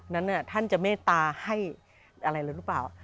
นั้นท่านจะเมตตาให้อะไรเลยหรือเปล่า